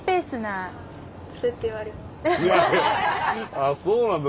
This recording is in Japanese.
あっそうなんだ。